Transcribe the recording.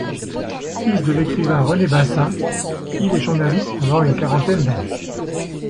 Fils de l’écrivain René Bazin, il est journaliste pendant une quarantaine d’années.